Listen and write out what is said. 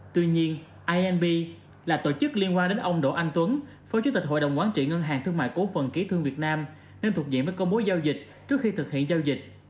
tuy nhiên inb là tổ chức liên quan đến ông đỗ anh tuấn phó chủ tịch hội đồng quán trị ngân hàng thương mại cố phần ký thương việt nam nên thuộc diện với công bố giao dịch trước khi thực hiện giao dịch